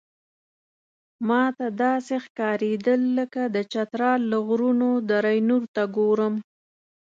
ماته داسې ښکارېدل لکه د چترال له غرونو دره نور ته ګورم.